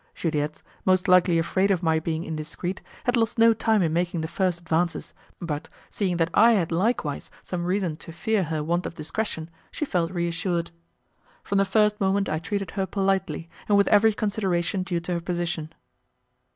Juliette, most likely afraid of my being indiscreet, had lost no time in making the first advances, but, seeing that I had likewise some reason to fear her want of discretion, she felt reassured. From the first moment I treated her politely, and with every consideration due to her position.